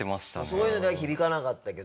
そういうのでは響かなかったけど。